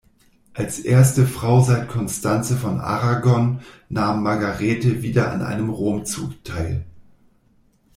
Als erste Frau seit Konstanze von Aragón nahm Margarete wieder an einem Romzug teil.